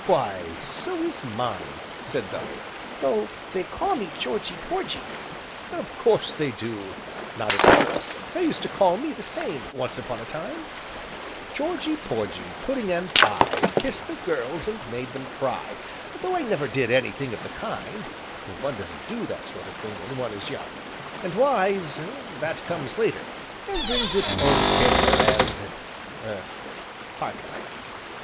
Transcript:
"Why so is mine!" said Bellew. "Though they call me 'Georgy Porgy.'" "Of course they do," nodded Bellew, "they used to call me the same, once upon a time, Georgy Porgy, pudding and pie Kissed the girls, and made them cry, though I never did anything of the kind, one doesn't do that sort of thing when one is young, and wise, that comes later, and brings its own care, and er heart break."